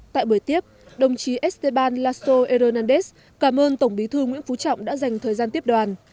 tại buổi tiếp đồng chí esteban laso ernades cảm ơn tổng bí thư nguyễn phú trọng đã dành thời gian tiếp đoàn